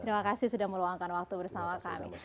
terima kasih sudah meluangkan waktu bersama kami